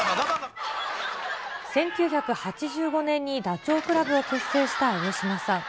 １９８５年にダチョウ倶楽部を結成した上島さん。